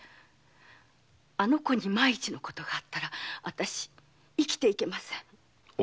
あの子に万一のことがあったら私生きていけません。